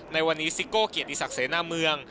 ในวันนี้ซิโก้เกียรติศักดิเสนาเมือง